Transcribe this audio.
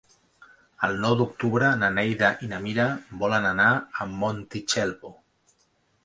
El nou d'octubre na Neida i na Mira volen anar a Montitxelvo.